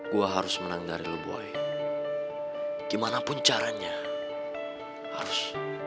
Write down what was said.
gue harus menang dari lo boy gimanapun caranya harus